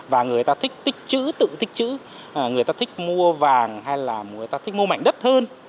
và người ta thích tích chữ tự tích chữ người ta thích mua vàng hay là người ta thích mua mảnh đất hơn